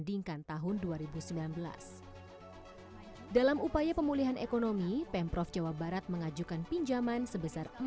dingkan tahun dua ribu sembilan belas dalam upaya pemulihan ekonomi pemprov jawa barat mengajukan pinjaman sebesar